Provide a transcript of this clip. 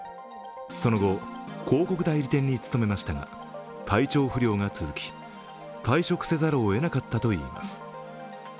その後、広告代理店に勤めましたが体調不良が続き退職せざるをえなかったといいます。